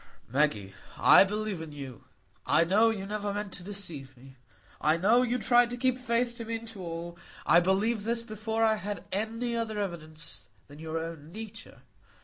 "Maggie,—I believe in you; I know you never meant to deceive me; I know you tried to keep faith to me and to all. I believed this before I had any other evidence of it than your own nature.